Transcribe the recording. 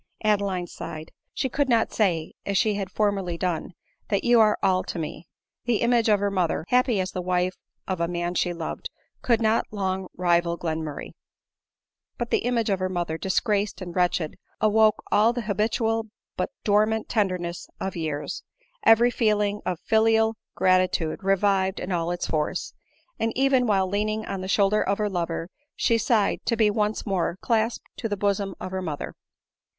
Adeline sighed. She could not say,, as she had for merly done, " and you are all to me." The image of her mother, happy as the wife of a man she loved, could not long rival Glenmurray; but the image of her mother, disgraced and wretched, awoke all the habitual but dor mant tenderness of years ; every feeling of filial grati tude revived in all its force ; and, even while leaning on the shoulder of her lover, she sighed to be once more clasped to the bosom of her mother.